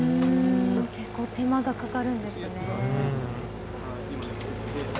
結構、手間がかかるんですね。